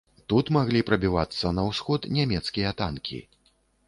Тут маглі прабівацца на ўсход нямецкія танкі.